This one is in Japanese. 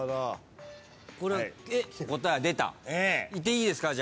いっていいですか？